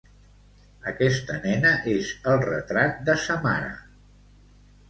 Aquesta nena és el retrat de sa mare.